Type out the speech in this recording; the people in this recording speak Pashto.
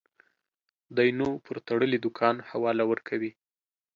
دى نو پر تړلي دوکان حواله ورکوي.